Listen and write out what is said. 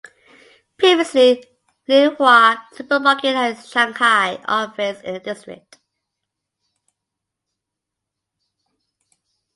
Previously Lianhua Supermarket had its Shanghai office in the district.